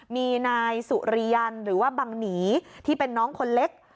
มีนายสุริยันหรือว่าบังหนีที่เป็นน้องคนเล็ก